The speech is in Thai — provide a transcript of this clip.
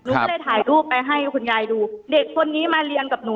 แต่คุณยายจะขอย้ายโรงเรียน